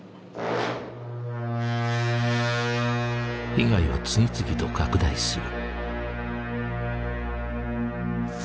被害は次々と拡大する。